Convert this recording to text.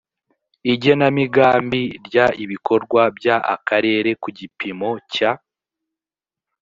igenamigambi ry ibikorwa by akarere ku gipimo cya